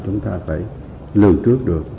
chúng ta phải lưu trước được